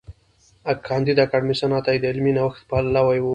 کانديد اکاډميسن عطايي د علمي نوښت پلوي و.